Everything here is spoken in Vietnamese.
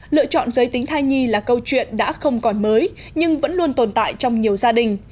lựa chọn giới tính thai nhi là câu chuyện đã không còn mới nhưng vẫn luôn tồn tại trong nhiều gia đình